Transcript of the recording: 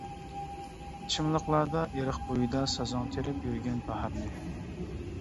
چىملىقلاردا، ئېرىق بويىدا سازاڭ تېرىپ يۈرگەن باھارنى.